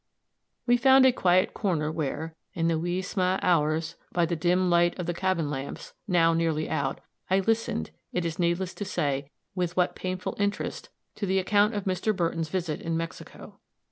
We found a quiet corner, where, in the "wee sma' hours," by the dim light of the cabin lamps, now nearly out, I listened, it is needless to say with what painful interest, to the account of Mr. Burton's visit in Mexico.